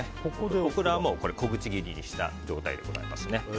オクラは小口切りにした状態でございます。